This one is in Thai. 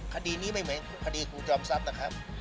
คดีนี้ไม่เหมือนคดีครูจอมทรัพย์นะครับ